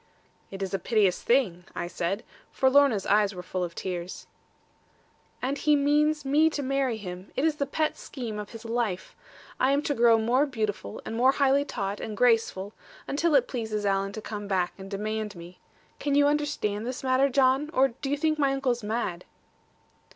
'It is a piteous thing,' I said; for Lorna's eyes were full of tears. 'And he means me to marry him. It is the pet scheme of his life. I am to grow more beautiful, and more highly taught, and graceful; until it pleases Alan to come back, and demand me. Can you understand this matter, John? Or do you think my uncle mad?'